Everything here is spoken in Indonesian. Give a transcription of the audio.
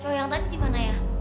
cowok yang tadi dimana ya